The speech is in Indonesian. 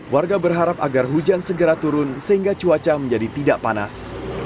warga berharap agar hujan segera turun sehingga cuaca menjadi tidak panas